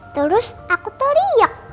terus aku teriak